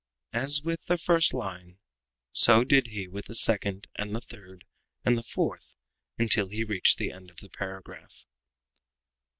As with the first line so did he with the second, and the third, and the fourth, until he reached the end of the paragraph.